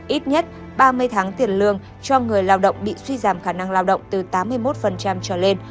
ít nhất ba mươi tháng tiền lương cho người lao động bị suy giảm khả năng lao động từ tám mươi một trở lên